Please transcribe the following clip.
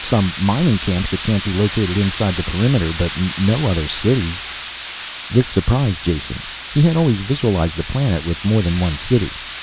Some mining camps that can't be located inside the perimeter. But no other cities." This surprised Jason. He had always visualized the planet with more than one city.